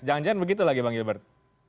jangan jangan begitu lagi bang gilbert